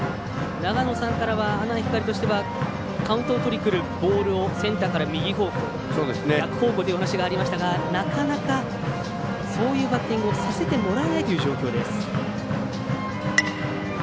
長野さんからは阿南光としてはカウントを取りにくるボールをセンターから右方向逆方向というお話がありましたがなかなかそういうバッティングをさせてもらえないという状況です。